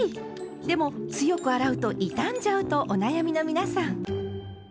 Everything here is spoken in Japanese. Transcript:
でも強く洗うと傷んじゃうとお悩みの皆さん。